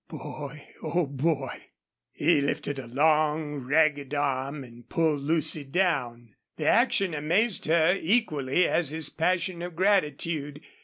"Boy oh boy!" He lifted a long, ragged arm and pulled Lucy down. The action amazed her equally as his passion of gratitude.